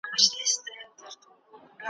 تور قسمت په تا آرام نه دی لیدلی `